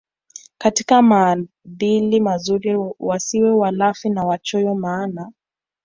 katika maadili mazuri wasiwe walafi na wachoyo maana